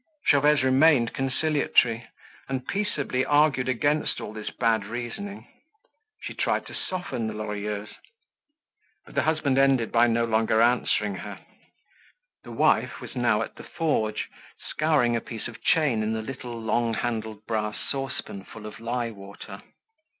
Gervaise remained conciliatory, and peaceably argued against all this bad reasoning. She tried to soften the Lorilleuxs. But the husband ended by no longer answering her. The wife was now at the forge scouring a piece of chain in the little, long handled brass saucepan full of lye water.